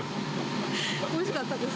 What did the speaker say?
おいしかったです。